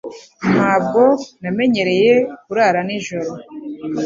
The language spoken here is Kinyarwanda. Ntabwo namenyereye kurara nijoro.